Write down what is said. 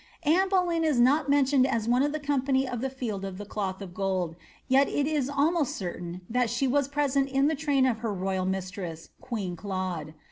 Anne Boleyn is not mentioned as one of the company at the ] the Cloth of Gold, yet it is almost certain that she was preset train of her royal mistress, queen Claude.